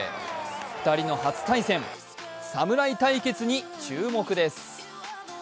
２人の初対戦、侍対決に注目です。